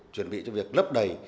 chuẩn bị cho việc lấp đầy